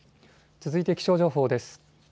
続いて気象情報です。